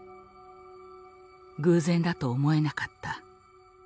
偶然だと思えなかった。